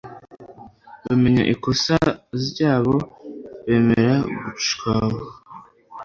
Bamenya ikosa zyabo bemera gucyahwa;